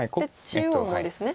中央もですね。